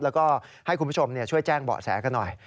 แล้วก็ให้คุณผู้ชมช่วยแจ้งเบาะแสกันหน่อย